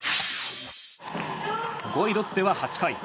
５位ロッテは８回。